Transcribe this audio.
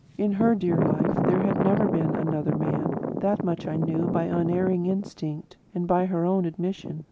In her dear life, there had never been another man; that much I knew by unerring instinct and by her own admission.